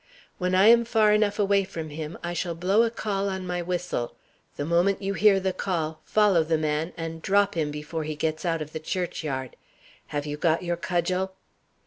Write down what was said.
When I am far enough away from him, I shall blow a call on my whistle. The moment you hear the call, follow the man, and drop him before he gets out of the church yard. Have you got your cudgel?"